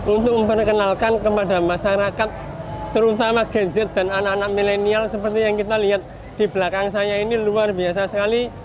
untuk memperkenalkan kepada masyarakat terutama gen z dan anak anak milenial seperti yang kita lihat di belakang saya ini luar biasa sekali